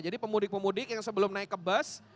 jadi pemudik pemudik yang sebelum naik ke bus